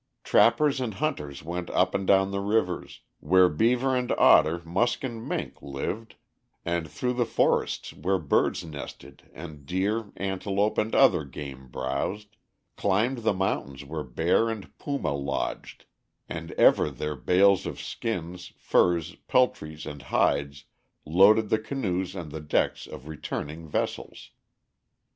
Trappers and hunters went up and down the rivers, where beaver and otter, musk and mink, lived, and through the forests where birds nested and deer, antelope, and other game browsed; climbed the mountains where bear and puma lodged, and ever their bales of skins, furs, peltries, and hides loaded the canoes and the decks of returning vessels.